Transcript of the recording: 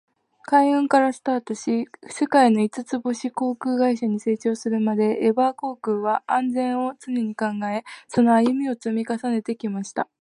海運からスタートし、世界の五つ星航空会社に成長するまで、エバー航空は「安全」を常に考え、その歩みを積み重ねてきました。